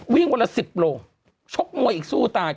วิ่งวันละ๑๐โลชกมวยอีกสู้ตาย